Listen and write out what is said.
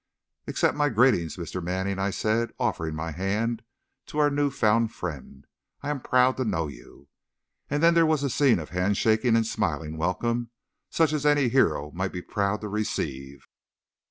"Accept my greetings, Mr. Manning," I said, offering my hand to our new found friend. "I'm proud to know you!" And then there was a scene of handshaking and smiling welcome such as any hero might be proud to receive.